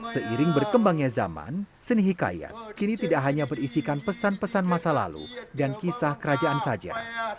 seiring berkembangnya zaman seni hikayat kini tidak hanya berisikan pesan pesan masa lalu dan kisah kerajaan saja